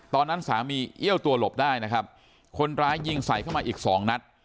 ตอนนั้นสามีเอี้ยวตัวหลบได้นะครับคนร้ายยิงใส่เข้ามาอีกสองนัด